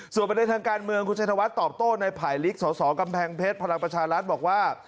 ส่วนประเด็นทางการเมืองคุณชัยธวัฒน์ตอบโต้ในภายลิกสสกำแพงเพชรพลังประชารัฐบอกว่า